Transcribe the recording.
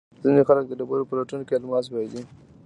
ځینې خلک د ډبرو په لټون کې الماس بایلي.